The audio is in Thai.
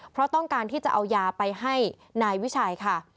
เพราะต้องการที่จะเอายาไปให้นายวิชัยค่ะ